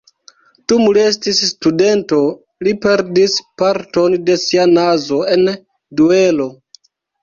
Dum li estis studento, li perdis parton de sia nazo en duelo.